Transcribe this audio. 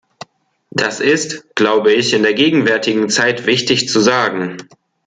Das ist, glaube ich, in der gegenwärtigen Zeit wichtig zu sagen.